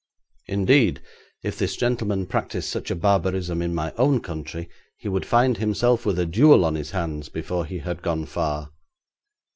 Indeed, if this gentleman practised such a barbarism in my own country he would find himself with a duel on his hands before he had gone far.